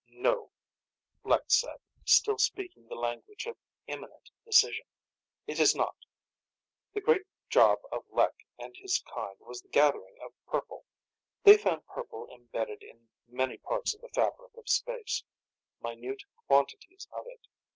"No," Lek said, still speaking the language of imminent decision. "It is not." The great job of Lek and his kind was the gathering of purple. They found purple imbedded in many parts of the fabric of space, minute quantities of it.